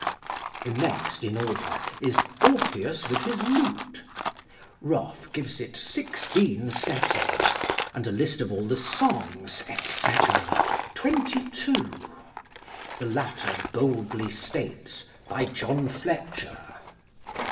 The next in order is "Orpheus with his lute." Roffe gives it sixteen settings, and A List of all the Songs, etc., twenty two; the latter boldly states, "By John Fletcher."